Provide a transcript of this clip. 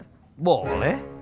kita partner boleh